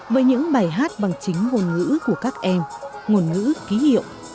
với những bài hát bằng chính ngôn ngữ của các em ngôn ngữ ký hiệu